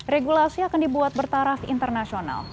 regulasi akan dibuat bertaraf internasional